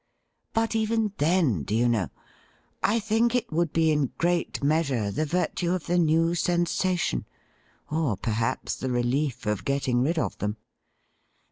' But even then, do you know, I think it would be in great measure the virtue of the new sensation — or perhaps the relief of getting rid of them.'